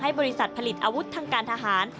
บริษัทผลิตอาวุธทางการทหาร